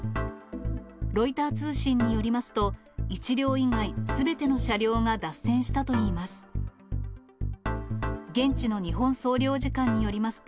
ロイター通信によりますと、１両以外すべての車両が脱線したといいます。